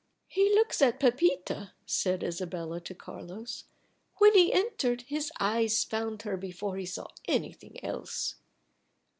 "He looks at Pepita," said Isabella to Carlos. "When he entered, his eyes found her before he saw anything else."